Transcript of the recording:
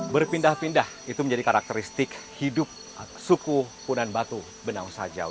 berpindah pindah itu menjadi karakteristik hidup suku punan batu benau sajau